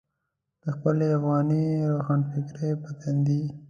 د خپلې افغاني روښانفکرۍ پر تندي.